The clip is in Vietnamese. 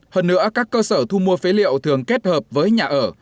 hơn nữa các cơ sở thu mua phế liệu thường kết hợp với nhà ở